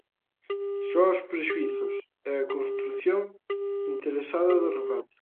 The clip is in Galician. Só os prexuízos e a construción interesada do relato.